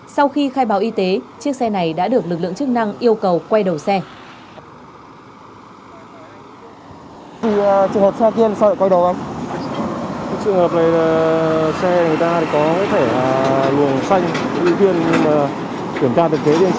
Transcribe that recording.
sau khi khai báo y tế chiếc xe này đã được lực lượng chức năng yêu cầu